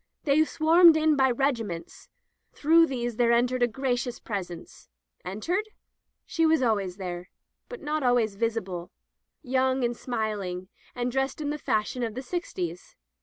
They swarmed in by regiments. Through these there entered a gracious presence. Entered ? She was always there, but not always visible, young and smiling, and dressed in the fash ion of the sixties.